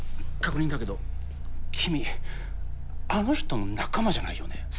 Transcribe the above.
確認だけど君あの人の仲間じゃないよね？